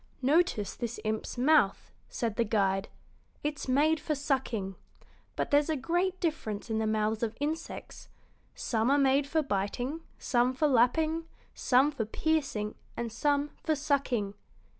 "Notice this imp's mouth," said the guide. "It's made for sucking. But there's a great difference in the mouths of insects: some are made for biting, some for lapping, some for piercing, and some for sucking.